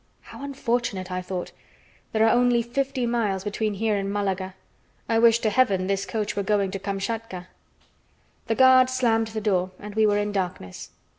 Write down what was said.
"How unfortunate," I thought. "There are only fifty miles between here and Malaga. I wish to heaven this coach were going to Kamschatka." The guard slammed the door, and we were in darkness.